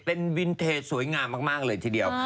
เป็นวินเทสวยงามมากเลยทีเดียว